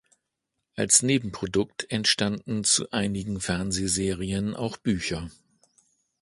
Als Nebenprodukt entstanden zu einigen Fernsehserien auch Bücher.